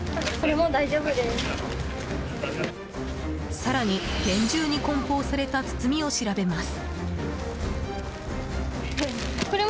更に厳重に梱包された包みを調べます。